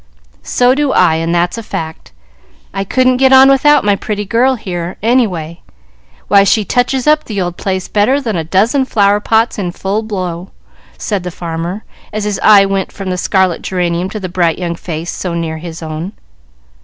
"So do I, and that's a fact. I couldn't get on without my pretty girl here, any way. Why, she touches up the old place better than a dozen flower pots in full blow," said the farmer, as his eye went from the scarlet geranium to the bright young face so near his own.